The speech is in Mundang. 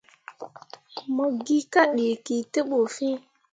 Mo gi kaa dǝkǝ te ɓu fiŋ.